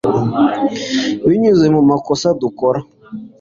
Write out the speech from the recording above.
binyuze mu makosa dukora